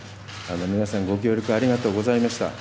皆さん、ご協力ありがとうございました。